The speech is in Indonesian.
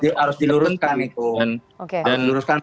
harus diluruskan itu